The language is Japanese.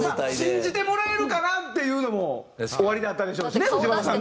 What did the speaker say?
信じてもらえるかな？っていうのもおありだったでしょうしね藤原さんからすると。